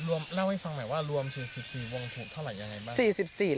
เล่าให้ฟังหน่อยว่ารวม๔๔วงถูกเท่าไหร่ยังไงบ้าง